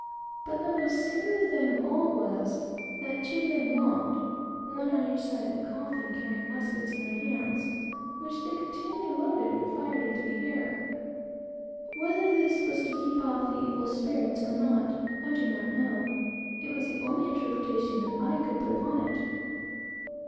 But the most singular thing of all was, that two men walked, one on each side of the coffin, carrying muskets in their hands, which they continually loaded, and fired into the air. Whether this was to keep off the evil spirits or not, I do not know. It was the only interpretation that I could put upon it.